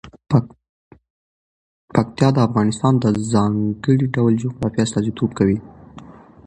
پکتیا د افغانستان د ځانګړي ډول جغرافیه استازیتوب کوي.